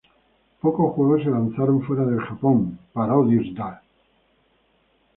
Pocos juegos se lanzaron fuera de Japón: "Parodius Da!